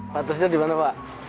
patusnya di mana pak